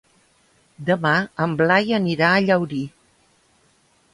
Demà en Blai anirà a Llaurí.